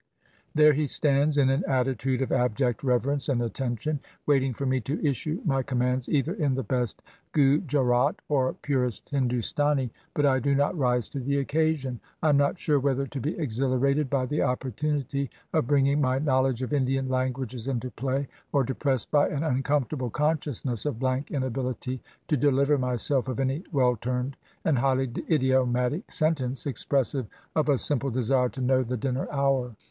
There he stands in an attitude of abject rever ence and attention, waiting for me to issue my com mands either in the best Gujarat or purest Hindustani. But I do not rise to the occasion. I am not sure whether to be exhilarated by the opportunity of bringing my knowledge of Indian languages into play, or depressed by an uncomfortable consciousness of blank inability to deliver myself of any well turned and highly idiomatic sentence expressive of a simple desire to know the dinner hour.